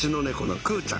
くーちゃん！